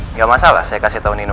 nggak masalah saya kasih tahun nino